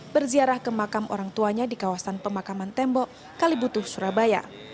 berziarah ke makam orang tuanya di kawasan pemakaman tembok kalibutuh surabaya